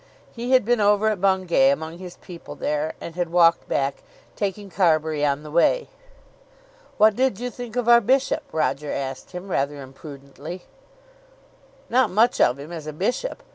He had been over at Bungay among his people there, and had walked back, taking Carbury on the way. "What did you think of our bishop?" Roger asked him, rather imprudently. "Not much of him as a bishop.